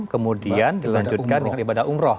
kemudian dilanjutkan dengan ibadah umroh